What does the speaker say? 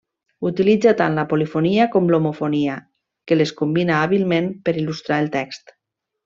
Utilitza tant la polifonia com l'homofonia, que les combina hàbilment, per il·lustrar el text.